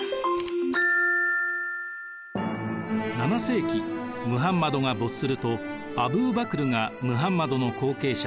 ７世紀ムハンマドが没するとアブー・バクルがムハンマドの後継者